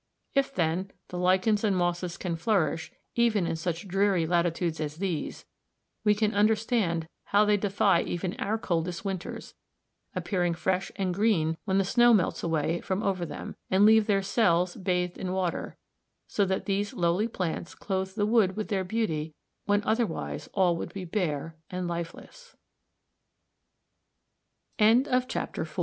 If, then, the lichens and mosses can flourish even in such dreary latitudes as these, we can understand how they defy even our coldest winters, appearing fresh and green when the snow melts away from over them, and leave their cells bathed in water, so that these lowly plants clothe the wood with their beauty when other